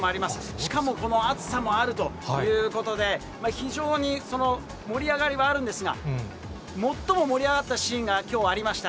しかもこの暑さもあるということで、非常に盛り上がりはあるんですが、最も盛り上がったシーンがきょうありました。